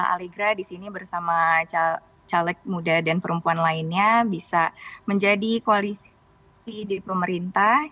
aligra di sini bersama caleg muda dan perempuan lainnya bisa menjadi koalisi di pemerintah